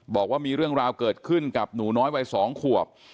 บอกว่ามีเรื่องราวเกิดขึ้นกับหนูน้อยวัย๒ขวบ